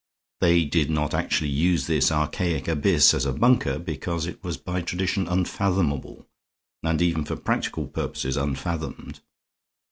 They did not actually use this archaic abyss as a bunker, because it was by tradition unfathomable, and even for practical purposes unfathomed.